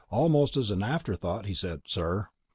Almost as an afterthought, he said: "... Sir."